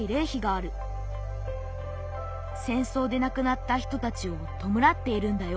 戦争で亡くなった人たちをとむらっているんだよ。